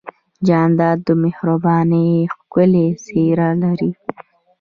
جانداد د مهربانۍ ښکلی څېرہ لري.